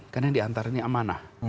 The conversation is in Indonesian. karena yang diantar ini amanah